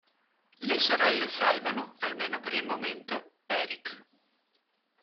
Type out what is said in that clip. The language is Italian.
Le sorelle salvano almeno per il momento Eric.